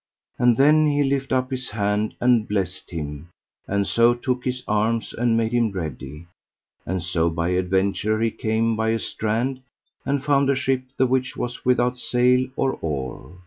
And then he lift up his hand and blessed him, and so took his arms and made him ready; and so by adventure he came by a strand, and found a ship the which was without sail or oar.